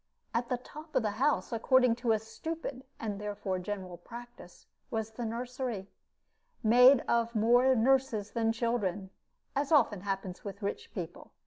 At the top of the house, according to a stupid and therefore general practice, was the nursery, made of more nurses than children, as often happens with rich people.